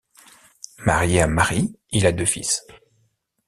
Marié à Mary, il a deux fils.